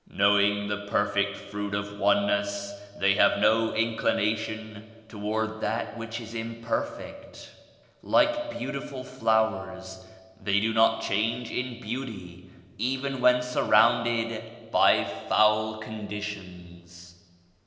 Knowing the perfect fruit of One ness, they have no inclination toward that which is imperfect. Like beautiful flowers they do not change in beauty even when surrounded by foul conditions."